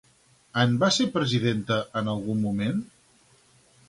En va ser presidenta en algun moment?